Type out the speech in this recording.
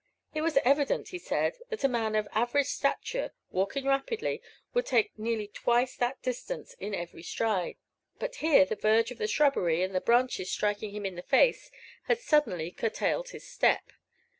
It was evident, he said, that a man of average stature, walking rapidly, would take nearly twice that distance in every stride; but here the verge of the shrubbery, and the branches striking him in the face, had suddenly curtailed the step.